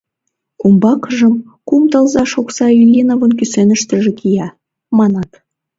Умбакыжым: «Кум тылзаш окса Ильиновын кӱсеныштыже кия», — манат.